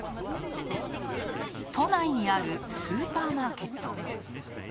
都内にあるスーパーマーケット。